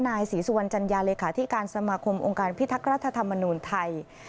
นายศรีสุวรรณจัญญาเลขาธิการสมาคมองค์การพิทักษ์รัฐธรรมนูญไทย